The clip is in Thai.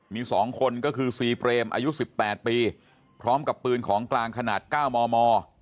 มี๒คนก็คือซีเปรมอายุ๑๘ปีพร้อมกับปืนของกลางขนาด๙มม